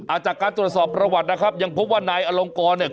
จากการตรวจสอบประวัตินะครับยังพบว่านายอลงกรเนี่ย